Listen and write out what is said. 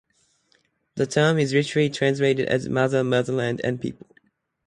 The term is literally translated as "Mother, Motherland and People".